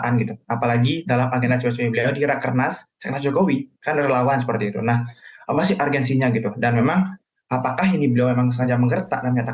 ini merupakan hal yang sekupit tak kritis yang bersama